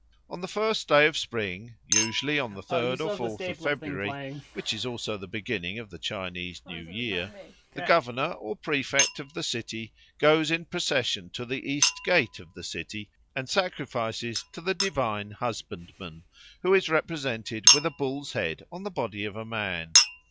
On the first day of spring, usually on the third or fourth of February, which is also the beginning of the Chinese New Year, the governor or prefect of the city goes in procession to the east gate of the city, and sacrifices to the Divine Husbandman, who is represented with a bull's head on the body of a man.